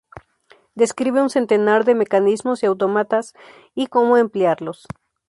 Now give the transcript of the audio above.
Describe un centenar de mecanismos y autómatas, y como emplearlos.